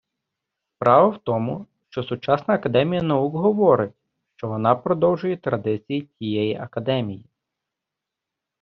Справа в тому що сучасна академія наук говорить що вона продовжує традиції тієї академії